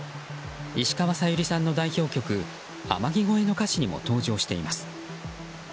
石川さゆりさんの代表曲「天城越え」の歌詞にも登場しています。